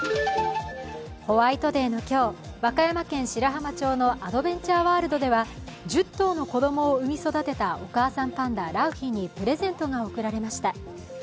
ホワイトデーの今日、和歌山県白浜町のアドベンチャーワールドでは、１０頭の子供を産み育てたお母さんパンダ、良浜にプレゼントが贈られました。